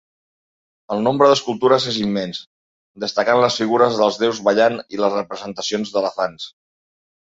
El nombre d'escultures és immens, destacant les figures dels déus ballant i les representacions d'elefants.